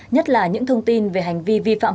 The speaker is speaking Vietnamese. nhất là những thông tin về hành vi vi phạm